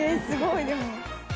すごいでも」